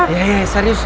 ya ya ya serius